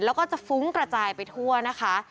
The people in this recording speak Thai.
แล้วก็จะฟุ้งกระจายไปทั่วนะคะ